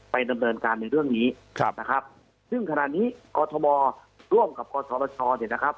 ดำเนินการในเรื่องนี้ครับนะครับซึ่งขณะนี้กรทมร่วมกับกศชเนี่ยนะครับ